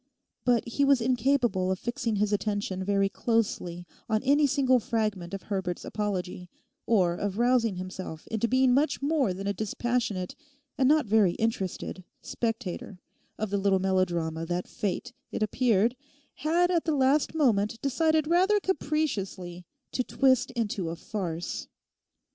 But he was incapable of fixing his attention very closely on any single fragment of Herbert's apology, or of rousing himself into being much more than a dispassionate and not very interested spectator of the little melodrama that Fate, it appeared, had at the last moment decided rather capriciously to twist into a farce.